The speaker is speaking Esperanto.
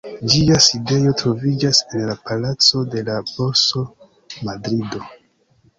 Ĝia sidejo troviĝas en la Palaco de la Borso, Madrido.